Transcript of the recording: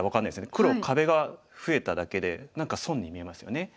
黒壁が増えただけで何か損に見えますよね。